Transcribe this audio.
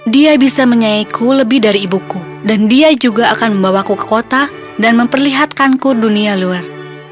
dia bisa menyaiku lebih dari ibuku dan dia juga akan membawaku ke kota dan memperlihatkanku dunia luar